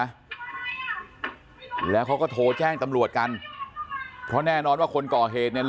นะแล้วเขาก็โทรแจ้งตำรวจกันเพราะแน่นอนว่าคนก่อเหตุเนี่ย